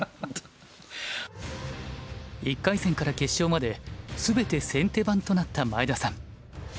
１回戦から決勝まで全て先手番となった前田さん。